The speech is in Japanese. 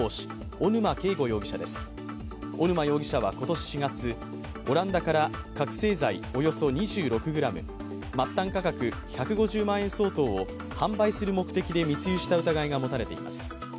小沼容疑者は今年４月オランダから覚醒剤およそ２６ｇ、末端価格１５０万円相当を販売する目的で密輸した疑いが持たれています。